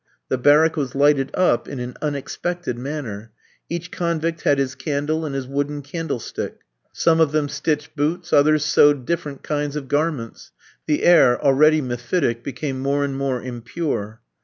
The barrack was lighted up in an unexpected manner. Each convict had his candle and his wooden candlestick. Some of them stitched boots, others sewed different kinds of garments. The air, already mephitic, became more and more impure.